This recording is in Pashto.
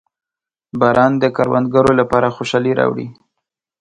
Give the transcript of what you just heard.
• باران د کروندګرو لپاره خوشحالي راوړي.